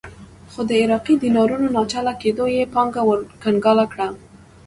خو د عراقي دینارونو ناچله کېدو یې پانګه ورکنګال کړه.